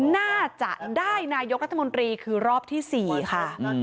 น่าจะได้นายกรัฐมนตรีคือรอบที่๔ค่ะ